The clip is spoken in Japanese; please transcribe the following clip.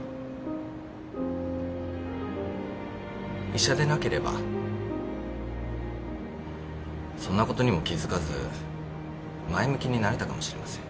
医者でなければそんなことにも気付かず前向きになれたかもしれません。